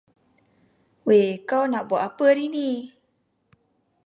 Wei kau nak buat apa hari ini.